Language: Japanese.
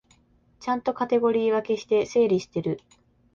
ちゃんとカテゴリー分けして整理してる